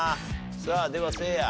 さあではせいや。